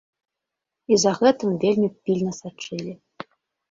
І за гэтым вельмі пільна сачылі.